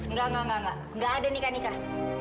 nggak enggak enggak gak ada nikah nikah